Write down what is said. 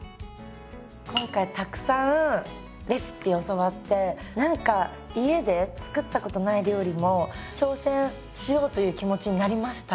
今回たくさんレシピを教わって何か家で作ったことない料理も挑戦しようという気持ちになりました。